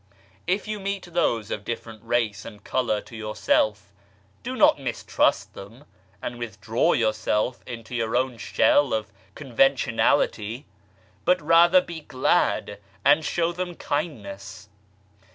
If you meet those of different race and colour to yourself, do not mistrust them and withdraw yourself into your shell of conventionality, but rather be glad and show them kindness.